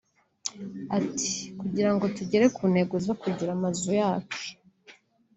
Ati “Kugira ngo tugere ku ntego zo kugira amazu yacu